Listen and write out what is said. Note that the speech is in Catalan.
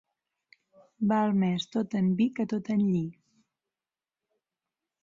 Val més tot en vi que tot en lli.